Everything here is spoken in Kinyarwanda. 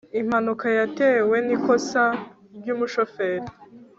impanuka yatewe nikosa ryumushoferi